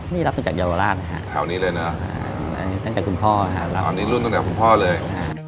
นี่รับมาจากเยาวราชนะฮะแถวนี้เลยเนอะอันนี้ตั้งแต่คุณพ่อค่ะตอนนี้รุ่นตั้งแต่คุณพ่อเลย